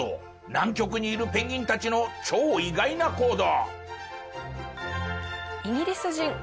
南極にいるペンギンたちの超意外な行動。